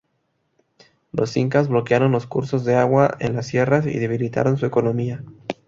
Los incas bloquearon los cursos de agua en las sierras y debilitaron su economía.